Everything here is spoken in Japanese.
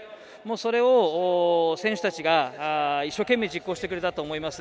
それを選手たちが一生懸命実行してくれたと思います。